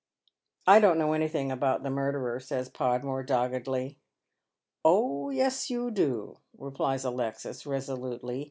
" I don't know anything about the mm derer," says Podmore, doggedly. " Oh yes, you do," replies Alexis, resolutely.